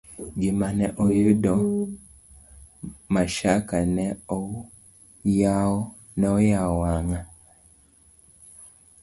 Gima ne oyudo Mashaka, ne oyawo wang'a.